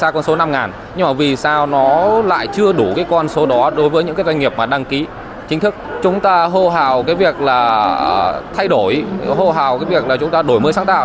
chính thức chúng ta hô hào cái việc là thay đổi hô hào cái việc là chúng ta đổi mới sáng tạo